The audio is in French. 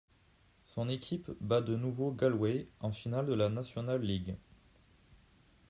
Son équipe bat de nouveau Galway en finale de la National League.